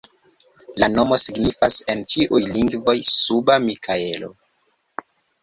La nomo signifas en ĉiuj lingvoj: suba Mikaelo.